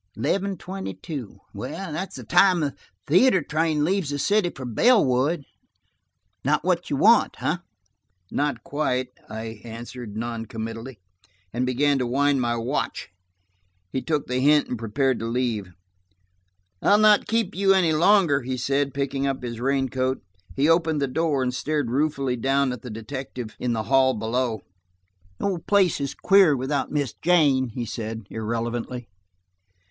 Eleven twenty two. That's the time the theater train leaves the city for Bellwood. Not what you want, eh?" "Not quite," I answered non committally and began to wind my watch. He took the hint and prepared to leave. "I'll not keep you up any longer," he said, picking up his raincoat. He opened the door and stared ruefully down at the detective in the hall below. "The old place is queer without Miss Jane," he said irrelevantly.